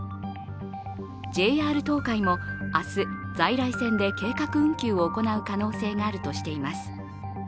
ＪＲ東海も明日、在来線で計画運休を行う可能性があるとしています。